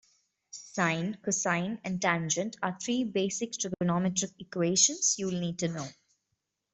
Sine, cosine and tangent are three basic trigonometric equations you'll need to know.